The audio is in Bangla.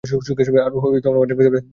আর ও হয়ত অনেক ব্যথা পায় তাই কান্না করে।